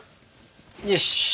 よし。